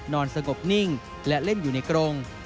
นอนสงบนิ่งและเล่นอยู่ในกรง